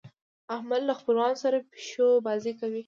احمد له خپلوانو سره پيشو بازۍ کوي.